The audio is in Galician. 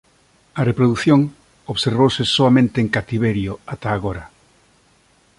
A reprodución observouse soamente en cativerio ata agora.